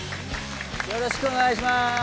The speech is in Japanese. よろしくお願いします。